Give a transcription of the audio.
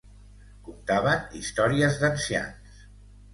Contaven històries d'ancians.